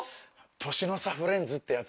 ⁉年の差フレンズってやつ？